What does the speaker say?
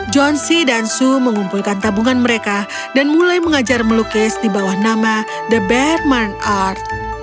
john c dan sue mengumpulkan tabungan mereka dan mulai mengajar melukis di bawah nama the berman art